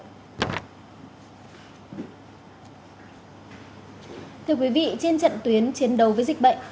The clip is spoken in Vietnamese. thưa quý vị trên trận tuyến chiến đấu với dịch bệnh